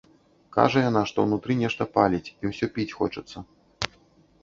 Кажа яна, што ўнутры нешта паліць і ўсё піць хочацца.